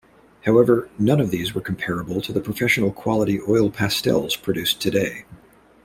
However, none of these were comparable to the professional quality oil pastels produced today.